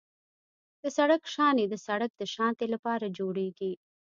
د سړک شانې د سړک د ساتنې لپاره جوړیږي